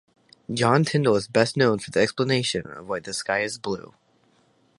John Tyndall is best known for the explanation of why the sky is blue.